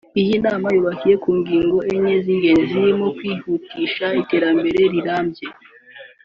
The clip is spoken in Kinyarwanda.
Iyi nama yubakiye ku ngingo enye z’ingenzi zirimo kwihutisha iterambere rirambye